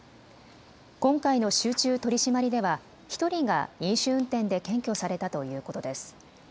今回の集中取締りでは１人が飲酒運転で検挙されたということです。